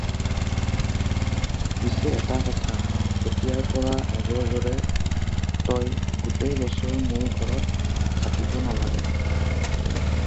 পিচে এটা কথা-এতিয়াৰ পৰা আগৰ দৰে তই গোটেই বছৰ মোৰ ঘৰত খাটিব নালাগে।